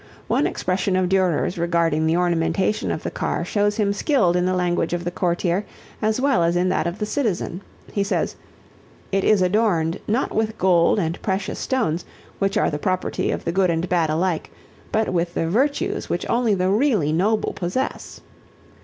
One expression of Durer's regarding the ornamentation of the car shows him skilled in the language of the courtier as well as in that of the citizen. He says, "It is adorned, not with gold and precious stones, which are the property of the good and bad alike, but with the virtues which only the really noble possess."